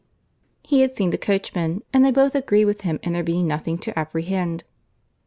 He had seen the coachmen, and they both agreed with him in there being nothing to apprehend.